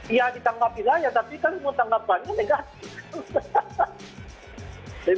iya ditanggapi saja tapi kalau mau ditanggapi banyak negatif